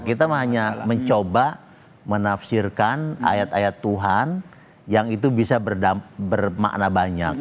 kita hanya mencoba menafsirkan ayat ayat tuhan yang itu bisa bermakna banyak